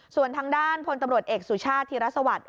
ส่วนทางด้านพลตำรวจเอกสุชาติธิรสวัสดิ์